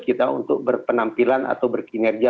kita untuk berpenampilan atau berkinerja